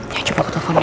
ya coba aku telepon deh